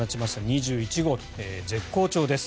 ２１号と絶好調です。